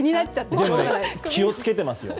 でも、気をつけてますよ。